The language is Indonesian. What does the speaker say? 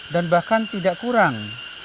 dan bahkan tidak kurang